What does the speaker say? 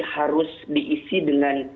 harus diisi dengan